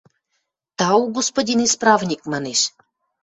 – Тау, господин исправник, – манеш.